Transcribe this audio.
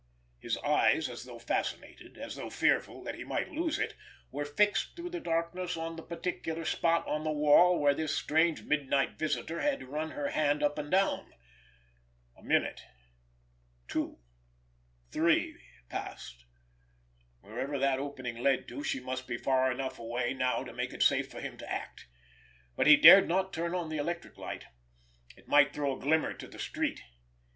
His eyes, as though fascinated, as though fearful that he might lose it, were fixed through the darkness on the particular spot on the wall where this strange midnight visitor had run her hand up and down. A minute, two, three, passed. Wherever that opening led to, she must be far enough away now to make it safe for him to act. But he dared not turn on the electric light. It might throw a glimmer to the street.